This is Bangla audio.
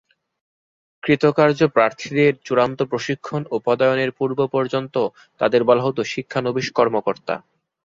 কৃতকার্য প্রার্থীদের চূড়ান্ত প্রশিক্ষণ ও পদায়নের পূর্ব পর্যন্ত তাদের বলা হতো শিক্ষানবিস কর্মকর্তা।